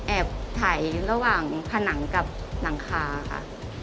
แอบถ่ายระหว่างผนังกับหลังคาค่ะ